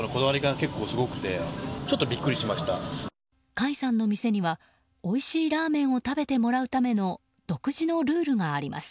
甲斐さんの店にはおいしいラーメンを食べてもらうための独自のルールがあります。